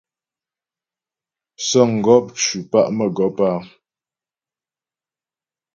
Sə̌ŋgɔp ncʉ pa' mə́gɔp áa.